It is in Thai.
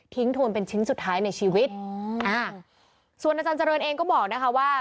โทนเป็นชิ้นสุดท้ายในชีวิตส่วนอาจารย์เจริญเองก็บอกนะคะว่า